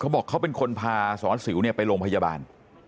เขาบอกเขาเป็นคนพาสอนสิวไปโรงพยาบาล